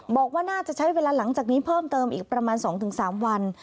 บอกว่าน่าจะใช้เวลาหลังจากนี้เพิ่มเติมอีกประมาณ๒๓วัน